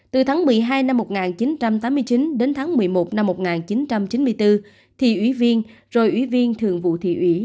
từ tháng một mươi hai năm một nghìn chín trăm tám mươi chín đến tháng một mươi một năm một nghìn chín trăm chín mươi bốn thị ủy viên rồi ủy viên thường vụ thị ủy